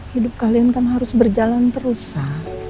hidup kalian kan harus berjalan terus ya